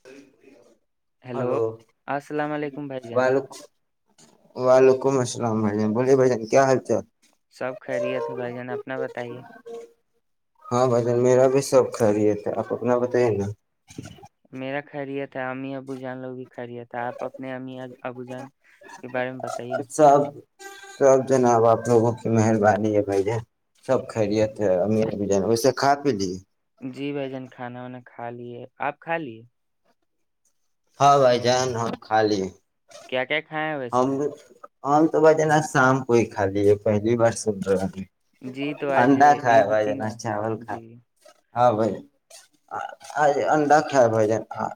sir [inaudible] hello hello السلام علیکم بھائی جان وال واللکم [unintelligible] السلام بھ جان بولیے بھائیان کیا حال چ ہے [unintelligible] سب خہریے تھے بھائی جان اپنا بتائیے خری ہے تھ آپ اپنا بتیں نا میرا خیریت ہے امی ابو جان لوگ کی خیریت ہے آپ اپنے ام ابو جان کے بارے میں بتائیے اچھاب [unintelligible] سب جناب آپ لوگوں کی مہربانی ہے بھائی ج سب خیریت ہے نا امیر م جایس سے کھ پی لیے [unintelligible] جی بھائی جان کھانا وانا کھا لیے آپ کھا لیے ہاں بھائی جان ہاں خالی ہے کیا کیا کھایا ہے ویسے آج اور تو بع ہے نا شام کوئی خالی ہے پہلی بار سبر جی تو آج انڈا کائے ب عید تھی جان نا چاول کائے جی ہاں بھن آج انڈا کائے بھ جن ہاں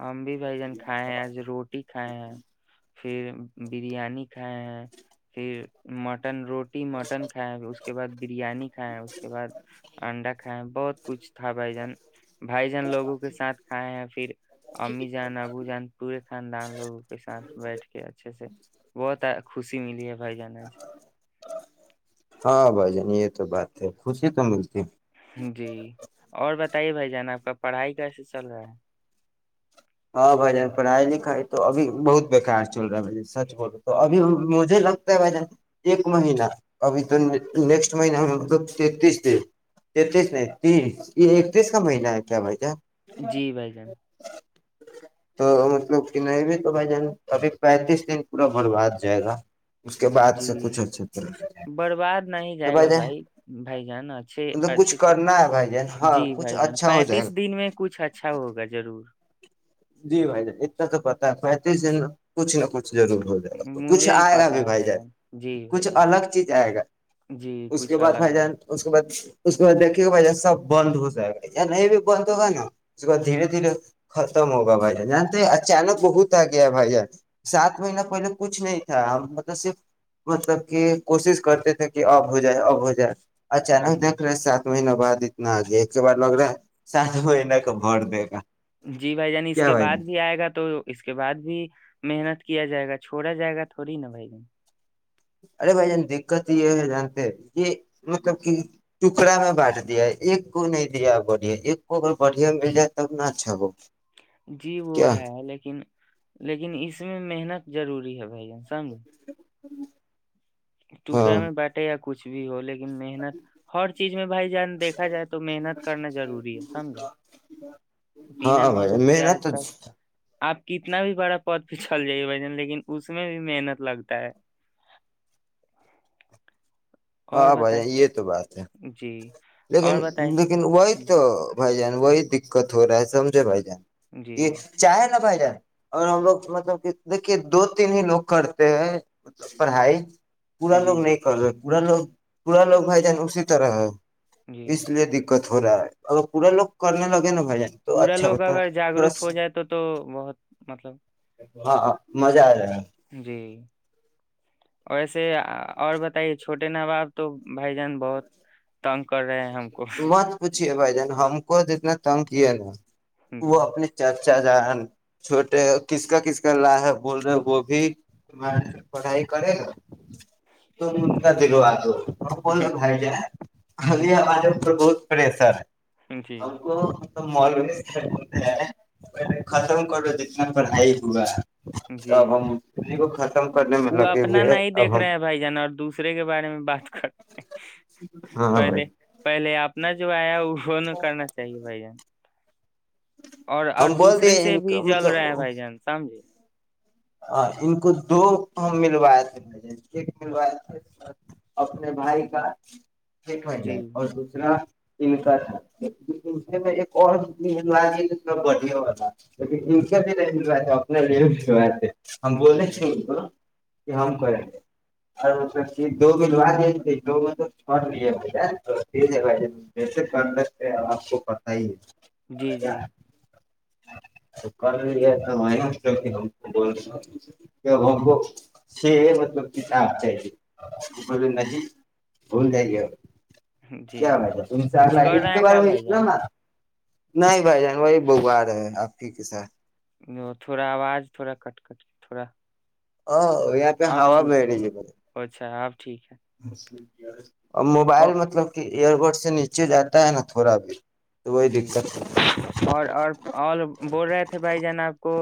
ہم بھی بھائی جان کھائے ہیں آج روٹی کھائے ہیں پھر بریانی کھائے ہیں پھر مٹن روٹ روٹی مٹن کھیں اس کے بعد بریانی کھائےیں اس کے بعد انڈا کھائےیں بہت کچھ تھا بھائی جان بھائی جان لوگوں کے ساتھ کھائے ہیں پھر امی جان ابو جان پورے خاندان لوگوں کے ساتھ بیٹھ کے اچھے سے بہت خوشی ملی ہے بھائی جان ہاں بھائی جان یہ تو بات ہے خوشی تو ملتی ہے جی اور بتائیے بھائی جان آ کا پڑھائی کیسے چل رہا ہے ہاں بھائی جان پڑھائی لکھائی تو ابھی بہت بیکار چل رہا ہے بھ ج سچ بولو تو ابھی مجھے لگتا ہے بھائی جان ایک مہین ابھی تو نیکسٹ مہین تینتیس د تینتیس نہیں تیس یہ اکتیس کا مہینہ ہے کیا بھائی جان جی بھائی جان تو مطلب کن میں تو بھائی جان ابھی پینتیس دن پورا برباد جائے گا اس کے بعد سے جی کچھ اچھا طرح برباد نہیں تو جائے گا جان بھائی بھائی جان اچھے مطلب کچھ اچھے کے کرنا ہے بھائی جان ہاں جی کچھ بھائی جان اچھا ہو جائے پینتیس دن میں کچھ اچھا ہوگا ضرور جی بھائی جان تو پتا متی س کچھ لوچھ ضرور ہو جائے گا کچھ مجھے ہی آئے گا پتا بھی ہے بھائی جان جی بھائی کچھ جان الگ چیز آئے گا جی اس کے کچھ بعد الگ بھائی ہے جان اس کے بعد اس کو دیکے گا بھ سب بند ہو جائے گا یا نہیں بھی بند ہوگا نا اس کو دھیرے دھیرے ختم ہوگا بھائی جانتے اچانک بہت آ گیا بھائی ج سات مہینہ پہلے کچھ نہیں تھا ہم مطلب صرف مطلب کہ کوشش کرتے تھے کہ آب ہو جائے اب ہو جائے جی اچانک دیکھ رہے ہیں سات مہینے بد ا ج ایک کے بع لگ رہا سات مہنے کا بھر دے گا جی بھائی جانی اس کیا کے بھائی بعد جان بھی آئے گا تو اس کے بعد بھی محنت کیا جائے گا چھوڑا جائے گا تھوڑی نا بھائی ج ارے بھائی جان دقت یہ ہے جانتے یہ مطلب کہ ٹکڑا میں بانٹ دیا ہے ایک کو نہیں دیا بڑھیا ایک کو اگر بڑھیا مل جائے تب نہ اچھا ہو جی وہ کیا ہے لیکن لیکن اس میں محنت ضروری ہے بھائی جین سمج ہ ٹکڑا میں بٹے آپ کچھ بھی ہو لیک محنت ہر چیز میں بھائی جان دیکھا جائے تو محنت کرنا ضروری ہے سمجھے بنا ہاں بھائی کے آج محنت کا آپ کتنا بھی بڑا پد پ چھل جائیے بھ جن لیکن اس میں بھی محنت لگتا ہے اور ہاں بتائیں بھائیان یہ تو بات ہے جی اور لیکن بتائیں لیکن وہی جی تو بھائی جان وہی دقت ہو رہا ہے سمجھے بھائی جان جی یہ چائے نہ پائ جے اور ہم لوگ مطلب کہ دیکھیے دو تین ہی لوگ کرتے ہیں ملب پڑھائی پورا جی لوگ نہیں کر سک پورا لوگ پورا لوگ بھائی جان اسی طرح ہے جی اس لیئے دقت ہو رہا ہے اگر پورا لوگ کرنے لگے نا بھائی جان تو پورا اچھا لوگ ہوتا اگر تھوڑا جاگروک ہو جائے تو تو بہت مطلب ہاںاں مزہ آ جائے گا جی ویسے اور بتائیے چھوٹے ن باپ تو بھائی جان بہت تنگ کر رہے ہیں ہم کو مت پوچھیے بھائی جان ہم کو جتنا تنگ ہے نا وہ اپنے چرچ اچا جان چھوٹے کس کا کس کا لا ہے بول رہے وہ بھی ت پڑھائی کرے گا تم ان کا دلو ہو پر بائی جائے خ جی جی آج بہت بڑے سر ہیں جی آب کو م بھی ختم کرو جتنا پڑھائی ہوا تو جی اب ہم اسی کو ختم کرنے میں وہ لگے اپنا ہوئے ہے نہیں دیکھ اب ہم رہے بھائی جان اور دوسرے کے بارے میں بات کر رہے ہاں بھائی پہلے پہلے آپ تنا جوب آیا ہو سون کرنا چاہیے بھائی جان اور اور ہم بول دوسرے دیے سے ان بھی کو جل رہے ہیں بھائی جان سمجھے ہ ان کو دو ملوائے تھے ایک ملوائے تھے اپنے بھائی کا پٹھ جی جائے اور دوسرا ان کا تھا ایک اورلو بیا والا لیکن ان کے بھی نہیں ملوائےےے اپنے لیے ملوائے تھے ہماں جی بولنے بلا کہ ہم کریں گے اور دو ملو ج دو میں تو چھے تو ٹیک ہے بھے کیسے کر لکتے آپ کو پت ہی ہے جی جی شکر بھینا مطلب کتا ن بھول جائی گے کیا جی ہو تم کچھ چگلہ کر ایک رہے کے ہیں بار کیا بھائی مسنا جان ن نہیں بھائی جان وہی بوار ہے آپ کے کےساتھ وہ تھوڑا آواز تھوڑا کٹ کٹ کے تھوڑا ہاں وہ پہ ہا اب ٹھیک ہے بیھے بے اچھا اب ٹھیک ہے مس کیا اور موبائل او مطلب کہ ایئر پورٹ سے نیچے جاتا ہے نا تھوڑا بھی تو وہی جی دقت ہے اور اور اور بول رہے تھے بھائی جان آپ کو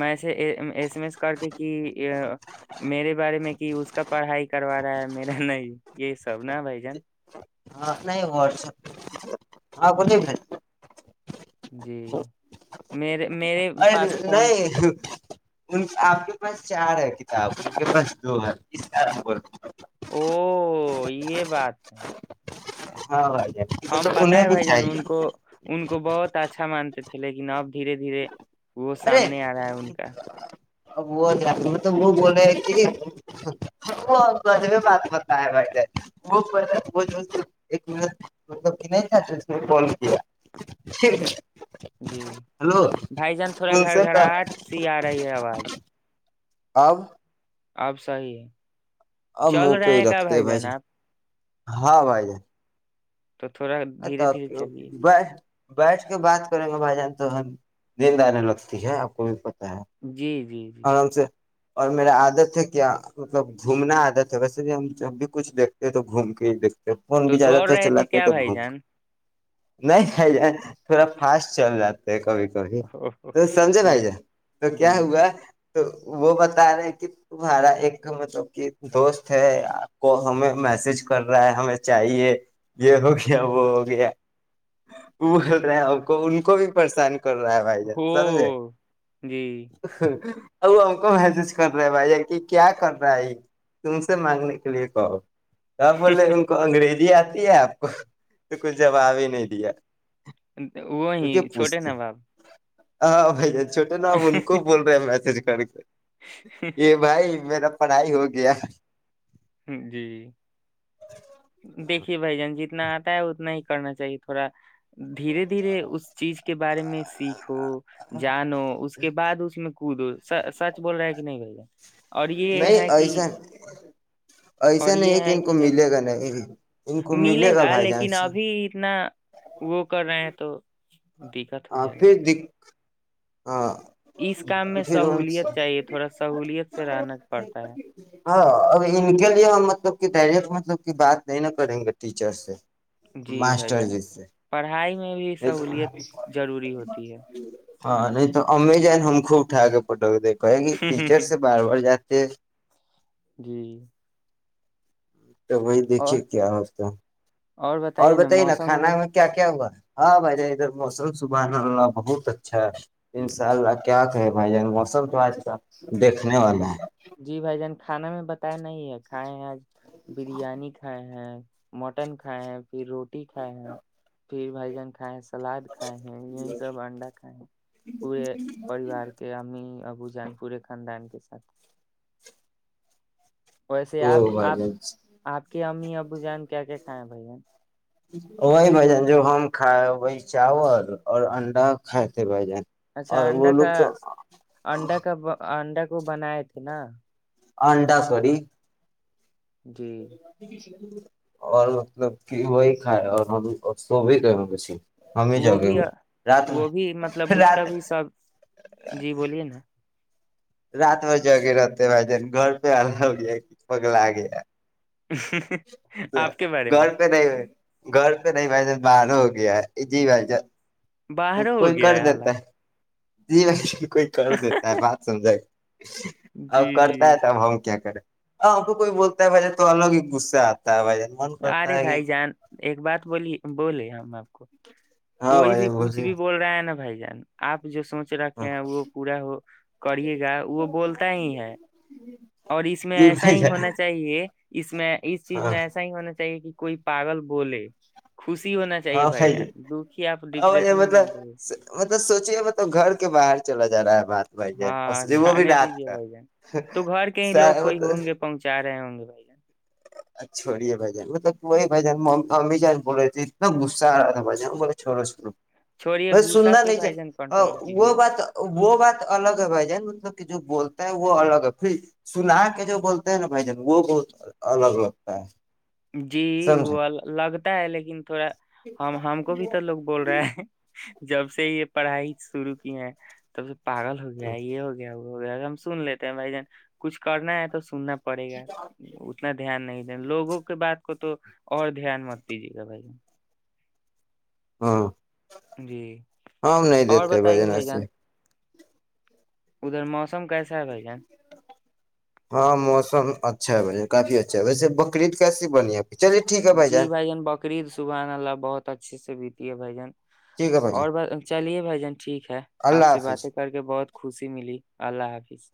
میں سے ایس ایم ایس کر کے کہ میرے بارے میں کہ اس کا پڑھائی کروا رہا ہے نہیں یہی سب نا بھائی جان ہاں نہیں واپ ہاں کو جی میرے میرے ا پاس فون نہیں آپ کے پاس چار ہے کتاب ان کے پاس دو ہے اس او یہ بات ہے ہاں آ ہم پتاہ ہے بھائی جان ان کو ان کو بہت اچھا مانتے تھے لیکن آب دھیرے دھیرے وہ سامنے آ رہا ہے ان کا ا وہ ج مب وہ بولے کہ وہے بات بتا ہے بھائی ج وہب نہیں ج کال کیایک جی بھائی جان تھوڑا ان گھر سے گھراہٹ سی آ رہی ہے آواز آب آپ صیح ہے اب چل منہ پہ رہے ہی ہیں کیا رکھتے بھائی جان جے آپ ہاں بھائی ج [unintelligible] تو تھوڑا اچھا دھیرے دھیرے اوکےک چلیے بائے [unintelligible] بیٹھ کے بات کریں گے بھائی جان تو ہم نیند آنے لگتی ہے آپ کو بھی پ [unintelligible] جی جی جی [unintelligible] اوررام سے اور میرا عادت ہے کیا مطلب گھومنا عادت ہے ویسے بھی ہم جب بھی کچھ دیکھتے ہیں تو گھوم کے ہی دیکھتے [unintelligible] پ فون تو بھی زیادہ دوڑ تر رہے تھے چلاتے ہیں کیا تو بھائی گھوم کر جان [unintelligible] نہیں نہیں ج [unintelligible] تھوڑا فاسٹ چل جاتا [unintelligible] ایک کا و او ہو، [inaudible] تو سمجے بھائی او، جا تو جی کیا ہوا [unintelligible] تو وہ بتا رہے ہیں کہ تمہارا ایک مطلب کہ دوست ہے آپ کو ہمیں میسج کر رہا ہے ہمیں چاہیے یہ ہو گیا وہ ہو گیا وہ بول رہے ہیں آ کو ان کو بھی پریشان [unintelligible] کر رہا ہےے سمجے ہو جی [unintelligible] ا وہ ہم کو محسج کر رہے ہے بھائی کہ کیا کر رہا ہے تم سے مانگنے کے لیے کہو [unintelligible] ہ بولے ان کو انگریزی آ [unintelligible] آپ کو [unintelligible] تو کچھ جواب ہی نہیں دیا وہ ہی چھوٹے نا بااب [unintelligible] ہ جائے [inaudible] چھوٹے نا ان کو بول رہے ہیں میت [unintelligible] سی [inaudible] یہ بھائی [inaudible] میرا پڑھائی ہو گیا [unintelligible] ہ جی دیکھیے بھائی جان ج [unintelligible] جتنا آتا ہے اتنا ہی کرنا چاہیے تھوڑا دھیرے دھیرے اس چیز کے بارے میں سیکھ [unintelligible] جانو اس کے بعد اس میں [unintelligible] کود سچ بول رہا ہے کہ نہیں بھائی [unintelligible] اور یہ نہیں ہے کہ ایسا ایسا اور نہیں یہ ہے کہ ان کو ملے ابھی گا نہیں ان کو ملے گا بھائی جان لیکن سے ابھی پھر اتنا وہ کر رہے ہیں تو [unintelligible] دقت ہو جائے گا [inaudible] و [inaudible] اس کام میں سہوولت چاہیے تھوڑا سہولیت سے [unintelligible] رہنا پڑتا ہے ہاں ا ان کے لیے ہم مطلب کہ ڈائریکٹ مطلب بات نہیں ن کریں گے ٹیچر سے [unintelligible] جی بھائی ماسٹر جان جی سے پڑھائی میں بھی سہولت ضروری ہوتی ہے ہاں نہیں تو ام جائ ہم خوب ٹا گے پٹک دیک کہے گی ٹیچر سے بار بار جات ج [inaudible] جی [unintelligible] توب وہیں دیکھیے اور کیا ہوتا اور بتائیے نا کھانا میں کیا کیا ہوا ہاں بھائی جان ادھر موسم سبحانا بہت اچھا ہے ان شاء اللہ کیا کہے بھائی جان موسم تو آج کا دیکھنے والا ہے پتا نہیں ہے کھائے ہیں آج بریانی کھائے ہیں مٹن کھائے ہیں پھر روٹی کھائے ہیں پھر بھائی جان کھائے سلاد کھائے ہیں یہی سب انڈا کائے ہیں پورے پریوار کے امی اب جان پورے خاندان کے ساتھ [unintelligible] ویسے آپ او بھائی آپ جان آپ کے امی ابو جان کیا کیا ہاں بھائی جین [unintelligible] وہی بھ جان جو ہم کھائے وہی چاول اور انڈا کھات تھ بھ جان اچھا اور وہ انڈا کا لوگ تو انڈا کا انڈا کا [unintelligible] وہ بنائے تھے نا [unintelligible] آڈا سور [unintelligible] جی [unintelligible] اور مطلب کہ وہی کھائے اور ہم سو بھی کر مش وہ بھی وہ بھی مطلب اس کا رات بھی سب جی بولیے نا رات بھر ج کےے رہتے بھائی جان گھر پہ آ ہو ک پگلا آ گیا ا گھر پہ نہیں ہوئے گھر تو نہیں بھائی جب باہر ہو گیا ہے جی بھائی جب باہر ہو گیا ہے حال ہے جی ر کوئی کر دیتا ہے بات سمجھائے گ جی اب جی کرتا ہے تو اب ہم کیا کریں ہاں کو کوئی بولتا ہے بھائی تو الگ ہی غصہ آتا ہے بھائی من کرتا ارے ہے کہ بھائی جان ایک بات بولی بولے ہم آپ کو ہاں کوئی بھائی بھی بس کچھ بھی بول رہا نا بھائی جان آ جو سمجھ رکھے ہیں وہ پورا ہو کرے گا وہ بولتا ہی ہے اور اس میں جی ایسا بھائی ہی جان ہونا چاہیے اس میں اس چیز ہاں میں ہونا چاہیے کہ کوئی پاگل بولے خوشی ہونا چاہیے ہاں بھائی جان ج دکھی آپ ہ ڈپریشن میں مطلب مت ہوئے مطلب سوچیے ملب گھر کے باہر چلا جا رہا ہے بات بھائی جان ہاں اور سوچے وہ بھی جانے رات دیجیے کا بھائی جن تو گھر کے ہی لوگ کوئی ہوں گے پہنچا رہے ہوں گے بھ گ ا چھڑی ہے بھائی جان مطلب کوئی بائی جان امی جان بول رہے تھے اتنا غصہ آ رہا تھا بھائی جان بولے چھورو سوو چھوڑیے ب غصہ سننا پہ نہیں چ بھائی جان کنٹرول وہ کیجیے بات وہ بات الگ ہے ب جائے مطب جو بولتا ہیں وہ الگ ہے پھر سنا کے جو بولتے ہیں نا بھائی جن وہ بہت الگ الگ لگتا ہے جی سمجھے وہ الگ ہے لیکن تھوڑا ہم ہم کو بھی تو لوگ بول رہے ہیں جب سے یہ پڑھائی شروع کی ہے تب سے پاگل ہو گیا ہے یہ ہو گیا وہ ہو گیا ہم سن لیتے ہیں بھائی جان کچھ کرنا ہے تو سننا پڑے گا اتنا دھیان نہیں دیںین لوگوں کو کو تو اور دھیان مت دیجیے گا بھائی ہاں جی ہم نہیں اور دیتے بتائیے بجن ای بھائی سے جان ادھر موسم کیسا ہے بھائی جان ہاں موسم اچھا ہے ب کافی اچھا ہے ویسے بکرعید کیسی بنی ہے چلیے ٹھیک ہے جی بھائی جان بقرعید سبحان اللہ بہت اچھے سے بیتی ہے بائی جان ٹھیک ہے بھائی جان اور ب چلیے بھائی جان ٹھیک ہے اللہ آپ سے حافظ باتیں کر کے بہت خوشی ملی اللہ حافظ اس